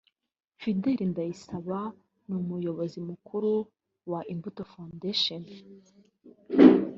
Fidel Ndayisaba n’umuyobozi mukuru wa Imbuto Foundation